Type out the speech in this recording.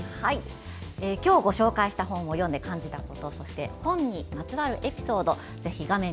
今日ご紹介した本を読んで感じたこと、そして本にまつわるエピソードを画面